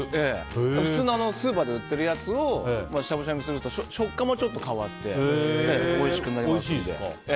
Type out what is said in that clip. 普通のスーパーで売ってるやつをしゃぶしゃぶにすると食感もちょっと変わっておいしくなります。